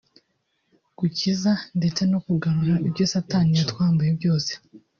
gukiza ndetse no kugarura ibyo satani yatwambuye byose